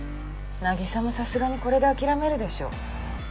凪沙もさすがにこれで諦めるでしょ。